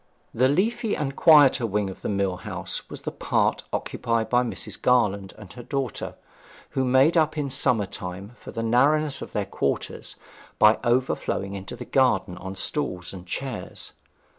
The leafy and quieter wing of the mill house was the part occupied by Mrs. Garland and her daughter, who made up in summer time for the narrowness of their quarters by overflowing into the garden on stools and chairs.